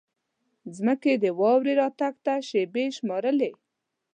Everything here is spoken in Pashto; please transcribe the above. ځمکې د واورې راتګ ته شېبې شمېرلې.